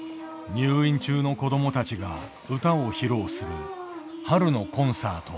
入院中の子どもたちが歌を披露する「春のコンサート」。